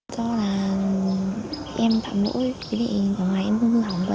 do là em thảm nỗi vì ở ngoài em không hư hỏng quá